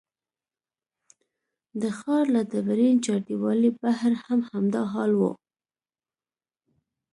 د ښار له ډبرین چاردیوالۍ بهر هم همدا حال و.